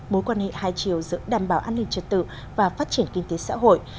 mối quan hệ hai chiều giữa đảm bảo an ninh trật tự và phát triển kinh tế xã hội